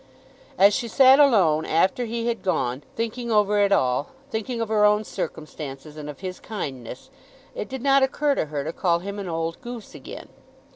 As she sat alone after he had gone, thinking over it all, thinking of her own circumstances and of his kindness, it did not occur to her to call him an old goose again.